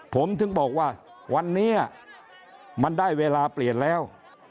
ผมถึงบอกว่าวันนี้มันได้เวลาเปลี่ยนแล้ว